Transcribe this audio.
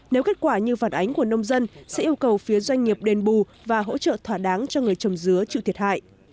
nếu kết quả như phản ánh của nông dân sẽ yêu cầu phía doanh nghiệp đền bù và hỗ trợ thỏa đáng cho người trồng dứa chịu thiệt hại